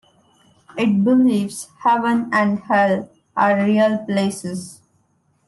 It believes heaven and hell are real places.